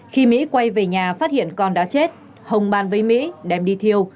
khi mỹ quay về nhà phát hiện con đã chết hồng bàn với mỹ đem đi thiêu